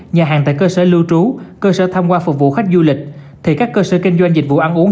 nhà hàng tại cơ sở lưu trú cơ sở tham quan phục vụ khách du lịch thì các cơ sở kinh doanh dịch vụ ăn uống